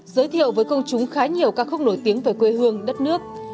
giới thiệu với công chúng khá nhiều ca khúc nổi tiếng về quê hương đất nước